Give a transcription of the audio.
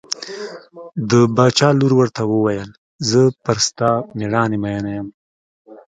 د باچا لور ورته وویل زه پر ستا مېړانې مینه یم.